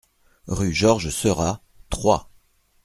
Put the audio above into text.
Rue Georges Seurat, Troyes